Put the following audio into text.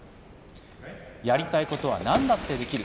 やりたいことはなんだってできる。